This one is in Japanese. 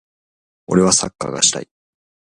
俺はサッカーがしたい。